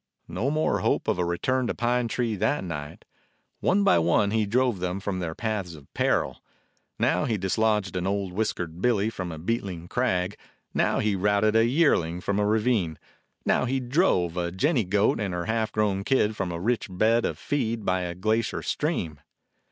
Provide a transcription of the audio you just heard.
No more hope of a return to Pine Tree that night. One by one he drove them from their paths of peril. Now he dislodged an old whiskered billy from a beetling crag, now he routed a yearling from a ravine, now he drove a jenny goat and her half grown kid from a rich bed of feed by a glacier stream.